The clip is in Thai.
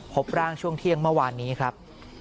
พบร่างช่วงเที่ยงเมื่อวานนี้ครับ